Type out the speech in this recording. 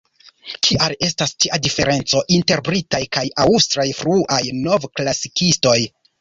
Kial estas tia diferenco inter britaj kaj aŭstraj fruaj novklasikistoj?